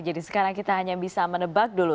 jadi sekarang kita hanya bisa mendebak dulu